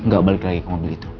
gak balik lagi ke mobil itu